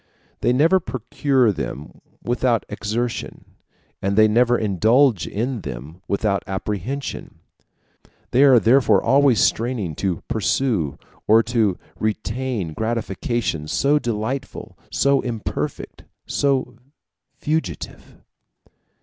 They never procure them without exertion, and they never indulge in them without apprehension. They are therefore always straining to pursue or to retain gratifications so delightful, so imperfect, so fugitive.